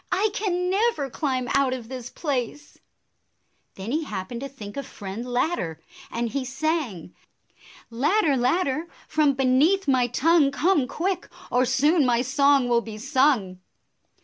" I can never climb out of this place !" Then he happened to think of Friend Ladder, and he sang, 96 " Ladder, Ladder, from beneath my tongue Come quick, or soon my song will be sung!"